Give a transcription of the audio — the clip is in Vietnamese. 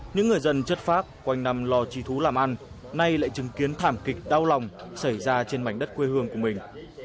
những người dân chất phát quanh nằm lo chi thú làm ăn nay lại chứng kiến thảm kịch đau lòng xảy ra trên mảnh đất quê hương của mình